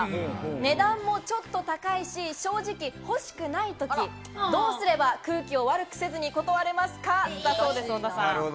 値段もちょっと高いし正直、欲しくないときどうすれば空気を悪くせずに断れますか？ということです。